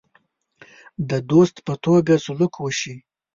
د دوست په توګه سلوک وشي.